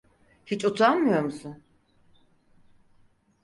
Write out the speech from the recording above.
Hiç utanmıyor musun?